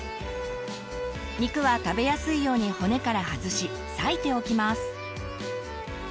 肉は食べやすいように骨から外し裂いておきます。